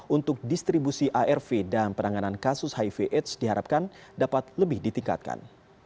untuk distribusi arv dan penanganan kasus hiv aids diharapkan dapat lebih ditingkatkan